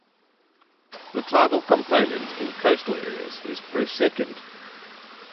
The tidal component in coastal areas is per second.